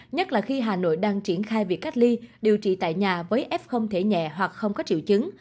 nhất là khi hà nội đang triển khai việc cách ly điều trị tại nhà với f không thể nhẹ hoặc không có triệu chứng